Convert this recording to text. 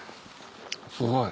すごい。